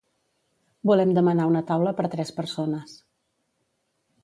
Volem demanar una taula per tres persones.